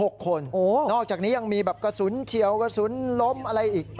นอกจากนี้ยังมีแบบกระสุนเฉียวกระสุนล้มอะไรอีก